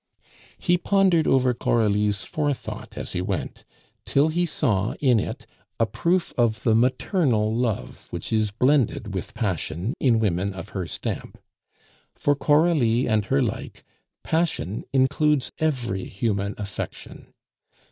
He pondered over Coralie's forethought as he went, till he saw in it a proof of the maternal love which is blended with passion in women of her stamp. For Coralie and her like, passion includes every human affection.